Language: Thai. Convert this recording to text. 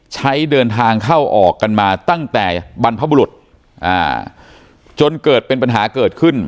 ใช้เดินทางเข้าออกกันมาตั้งแต่บรรพบุรุษจนเกิดเป็นปัญหาเกิดขึ้น